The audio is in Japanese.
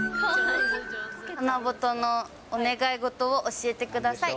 七夕のお願い事を教えてください。